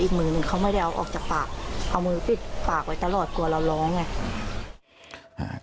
มือหนึ่งเขาไม่ได้เอาออกจากปากเอามือปิดปากไว้ตลอดกลัวเราร้องไง